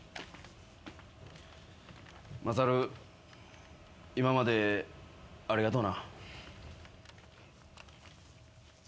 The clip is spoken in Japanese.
マサル今までありがとうな。